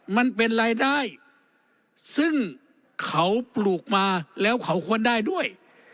มันเป็นรายได้ซึ่งเขาปลูกมาแล้วเขาควรได้ด้วย